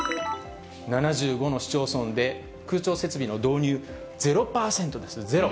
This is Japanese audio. ７５の市町村で空調設備の導入０％ですね、ゼロ。